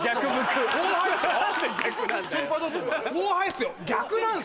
後輩っすよ！